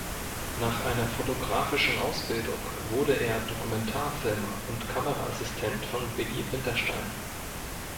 Nach einer fotografischen Ausbildung wurde er Dokumentarfilmer und Kameraassistent von Willy Winterstein.